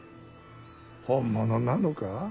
本物なのか。